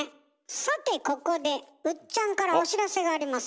さてここでウッチャンからお知らせがありますよ。